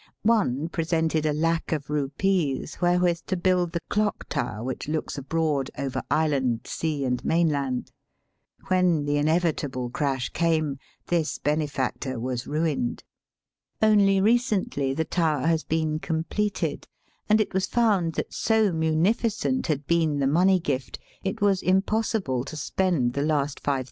One presented a lac of rupees wherewith to build the clock tower which looks abroad over island, sea, and mainland. When the inevitable crash came, this benefactor was ruined. Only recently the tower has been Digitized by VjOOQIC THE LIVEBPOOL OF INDIA. 175 completed, and it was found that, so muni ficent had been the money gift, it was impos sible to spend the last ^6000.